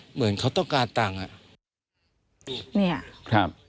เหมือนเขาต้องการตังค์อ่ะ